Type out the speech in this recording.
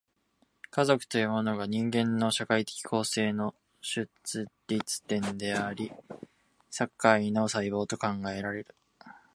家族というものが、人間の社会的構成の出立点であり、社会の細胞と考えられる。